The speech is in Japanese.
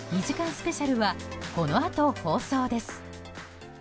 スペシャルはこのあと放送です。